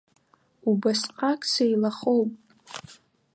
Убасҟак сеилахоуп.